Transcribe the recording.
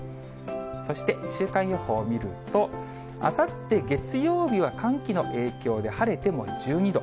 そして週間予報見ると、あさって月曜日は、寒気の影響で晴れても１２度。